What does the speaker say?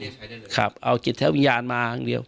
คนที่ทำเนี่ยแหละครับเอากิจแท้วิญญาณมาทั้งเดียว